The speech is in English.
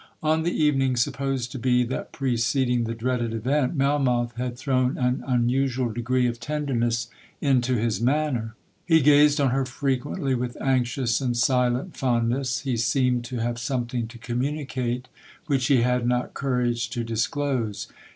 'On the evening supposed to be that preceding the dreaded event, Melmoth had thrown an unusual degree of tenderness into his manner—he gazed on her frequently with anxious and silent fondness—he seemed to have something to communicate which he had not courage to disclose.